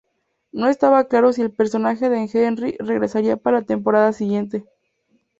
No estaba claro si el personaje de Henry regresaría para la temporada siguiente.